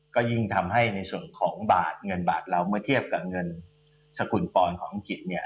ก็ยิ่งทำให้ในส่วนของบาทเงินบาทเราเมื่อเทียบกับเงินสกุลปอนด์ของอังกฤษเนี่ย